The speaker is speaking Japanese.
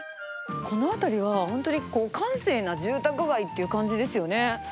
この辺りは本当に閑静な住宅街っていう感じですよね。